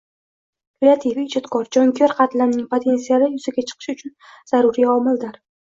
kreativ, ijodkor, jonkuyar qatlamning potensiali yuzaga chiqishi uchun zaruriy omildir.